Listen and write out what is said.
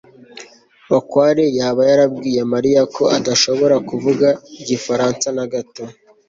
bakware yaba yarabwiye mariya ko adashobora kuvuga igifaransa na gato